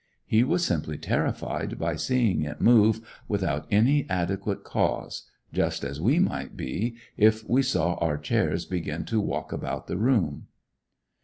He was simply terrified by seeing it move without any adequate cause just as we should be, if we saw our chairs begin to walk about the room.